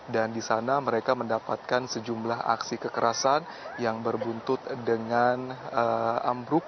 dan di sana mereka mendapatkan sejumlah aksi kekerasan yang berbuntut dengan ambrus